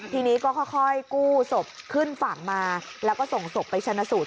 ทีนี้ก็ค่อยกู้ศพขึ้นฝั่งมาแล้วก็ส่งศพไปชนะสูตร